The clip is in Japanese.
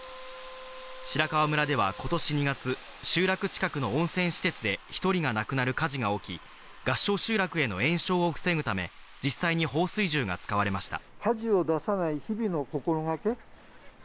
白川村では今年２月、集落近くの温泉施設で１人が亡くなる火事が起き、合掌集落への延焼を防ぐため、実際に放水銃が使われました。